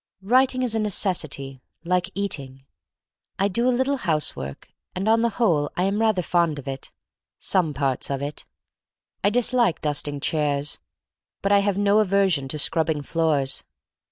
Writing is a necessity — like eating. I do a little housework, and on the whole I am rather fond of it — some parts of it. I dislike dusting chairs, but I have no aversion to scrubbing floors.